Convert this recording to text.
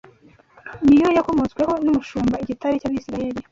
Ni yo yakomotsweho n’umushumba, Igitare cy’Abisirayeli